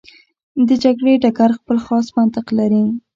د جګړې ډګر خپل خاص منطق لري.